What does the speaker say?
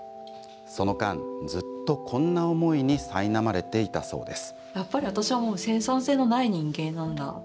その間、ずっとこんな思いにさいなまれていたそうです。